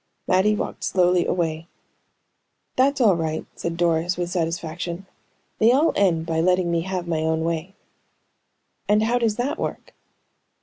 Mattie walked slowly away. "That's all right," said Doris, with satisfaction. "They all end by letting me have my own way." "And how does that work?"